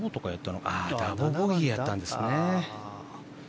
ダブルボギーだったんですね。